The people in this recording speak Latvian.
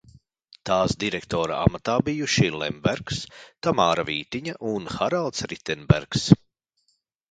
Tās direktora amatā bijuši Lembergs, Tamāra Vītiņa un Haralds Ritenbergs.